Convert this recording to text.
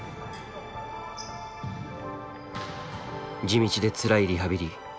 地道でつらいリハビリ。